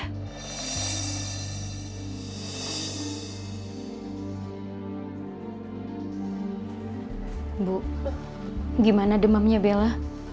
ibu gimana demamnya bella